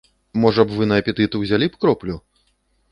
Можа б, вы на апетыт узялі б кроплю?